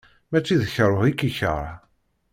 Mačči d karuh i k-ikreh.